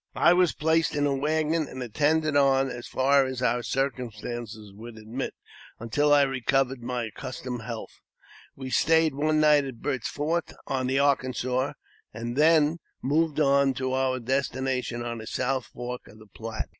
I was placed in a waggon, and attended on as far as our cir cumstances would admit, until I recovered my accustomed health. We stayed one night at Burt's Fort, on the Arkansas, fi « 862 AUTOBIOGRAPHY OF and then moved on to our destination on the South Fork of the Platte.